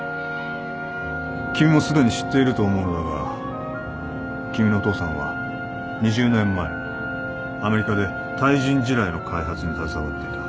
君もすでに知っていると思うのだが君のお父さんは２０年前アメリカで対人地雷の開発に携わっていた。